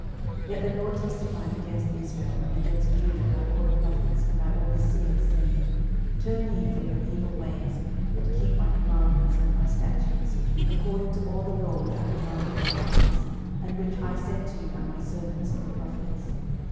12:017:013 Yet the LORD testified against Israel, and against Judah, by all the prophets, and by all the seers, saying, Turn ye from your evil ways, and keep my commandments and my statutes, according to all the law which I commanded your fathers, and which I sent to you by my servants the prophets.